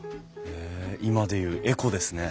へえ今で言うエコですね。